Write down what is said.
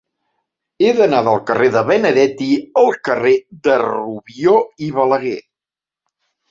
He d'anar del carrer de Benedetti al carrer de Rubió i Balaguer.